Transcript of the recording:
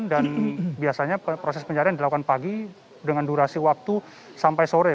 dan biasanya proses pencarian dilakukan pagi dengan durasi waktu sampai sore